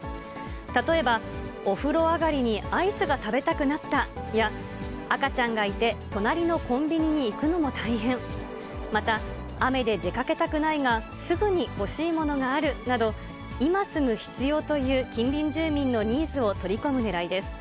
例えば、お風呂上りにアイスが食べたくなったや、赤ちゃんがいて隣のコンビニに行くのも大変、また、雨で出かけたくないがすぐに欲しいものがあるなど、今すぐ必要という近隣住民のニーズを取り込むねらいです。